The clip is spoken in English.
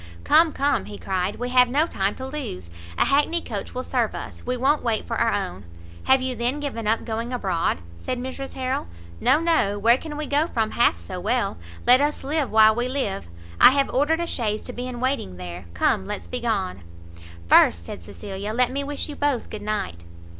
"Come, come," he cried, "we have no time to lose. A hackney coach will serve us; we won't wait for our own." "Have you then given up going abroad?" said Mrs Harrel. "No, no; where can we go from half so well? let us live while we live! I have ordered a chaise to be in waiting there. Come, let's be gone." "First," said Cecilia, "let me wish you both good night."